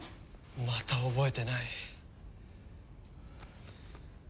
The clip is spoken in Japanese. また覚えてない。